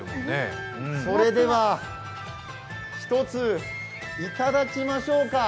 それでは、１ついただきましょうか。